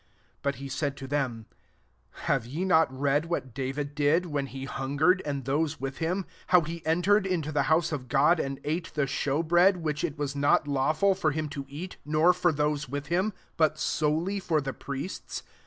3 But he said to them, " Have ye not read what David did, when he hungered, and those with him ? 4 how he entered into the house of God, and ate the shew bread, which it was not lawful for him to eat, nor for those with him ; but solely for the priests